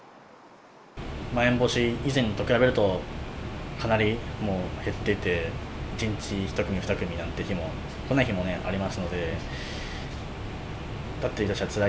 まん延防止以前と比べると、かなりもう減ってて、１日、１組、２組なんて日も、来ない日もありますので。